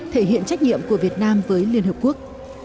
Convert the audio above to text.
thể hiện trách nhiệm của việt nam với liên hợp quốc